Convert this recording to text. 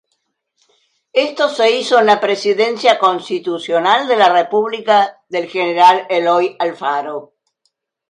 Esto se hizo en la Presidencia Constitucional de la República del General Eloy Alfaro.